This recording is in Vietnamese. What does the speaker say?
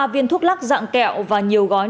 ba viên thuốc lắc dạng kẹo và nhiều gói